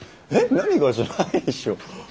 「何が？」じゃないでしょ。